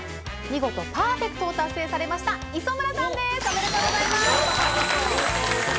見事パーフェクトを達成されました磯村さんですおめでとうございます！